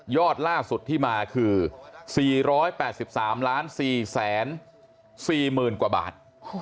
ยอดล่าสุดที่มาคือ๔๘๓ล้าน๔๔๐๐๐๐กว่าบาท